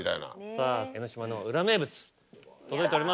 さぁ江の島の裏名物届いております。